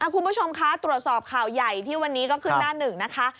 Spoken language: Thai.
คุณผู้ชมคะตรวจสอบข่าวใหญ่ที่วันนี้ก็ขึ้นหน้าหนึ่งนะคะ